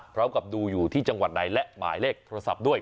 พร้อมกับดูอยู่ที่จังหวัดใดและหมายเลขโทรศัพท์ด้วย